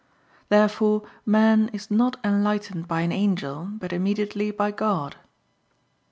Therefore man is not enlightened by an angel; but immediately by God.